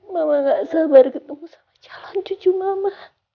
mama gak sabar ketemu sama jalan cucu mama